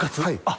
はい。